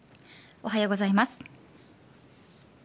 おはようございます。